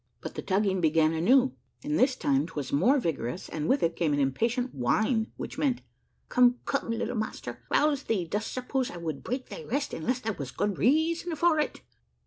But the tugging began anew, and this time 'twas more vigor ous and with it came an impatient whine which meant, —" Come, come, little master, rouse thee ; dost suppose I would break thy rest unless there were good reasons for it?"